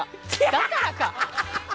だからか！